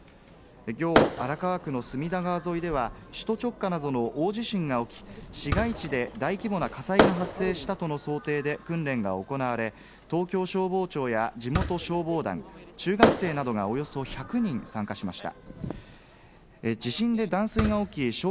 きょう荒川区の隅田川沿いでは、首都直下などの大地震が起き、市街地で大規模な火災が発生したとの想定で訓練が行われ、東京消防庁や地元消防団、中学生などがおよそ１００人参加しました。